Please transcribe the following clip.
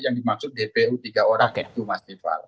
yang dimaksud dpu tiga orang itu mas rival